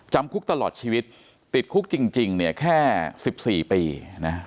จำคุกตลอดชีวิตติดคุกจริงเนี่ยแค่๑๔ปีนะ